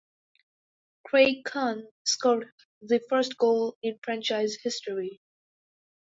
Craig Conn scored the first goal in franchise history.